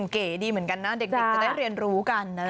เก๋ดีเหมือนกันนะเด็กจะได้เรียนรู้กันนะ